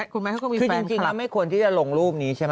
คุณแมทเขาก็มีแฟนครับคือจริงจริงก็ไม่ควรที่จะหลงรูปนี้ใช่ไหม